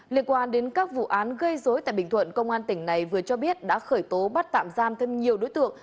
liên quan đến các vụ án gây dối tại bình thuận công an tỉnh này vừa cho biết đã khởi tố bắt tạm giam thêm nhiều đối tượng